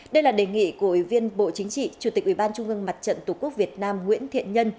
đây là đề nghị của ủy viên bộ chính trị chủ tịch ubnd mặt trận tổ quốc việt nam nguyễn thiện nhân